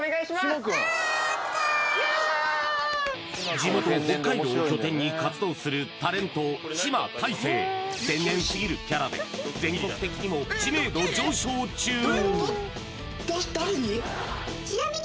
地元北海道を拠点に活動するタレント島太星天然すぎるキャラで全国的にも知名度上昇中どういうこと？